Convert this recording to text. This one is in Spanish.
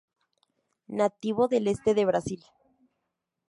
Nativo del este de Brasil.